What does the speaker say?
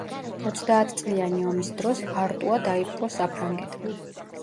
ოცდაათწლიანი ომის დროს არტუა დაიპყრო საფრანგეთმა.